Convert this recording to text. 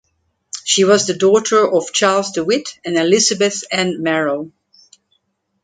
She was the daughter of Charles De Witt and Elizabeth Ann Merrill.